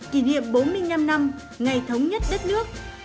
kỷ niệm bốn mươi năm năm ngày thống nhất đất nước